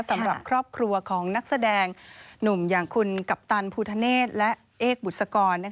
สำหรับครอบครัวของนักแสดงหนุ่มอย่างคุณกัปตันภูทะเนธและเอกบุษกร